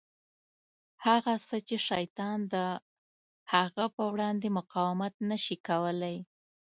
هغه څه چې شیطان د هغه په وړاندې مقاومت نه شي کولای.